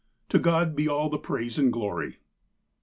To God be all the praise and glory